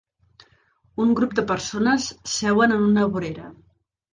Un grup de persones seuen en una vorera.